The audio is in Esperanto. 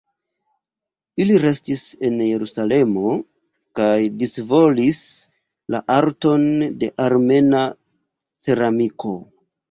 Ili restis en Jerusalemo kaj disvolvis la arton de armena ceramiko.